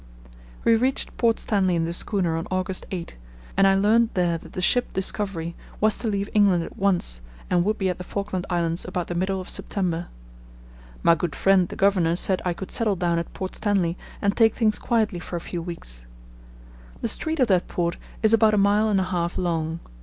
We reached Port Stanley in the schooner on August 8, and I learned there that the ship Discovery was to leave England at once and would be at the Falkland Islands about the middle of September. My good friend the Governor said I could settle down at Port Stanley and take things quietly for a few weeks. The street of that port is about a mile and a half long.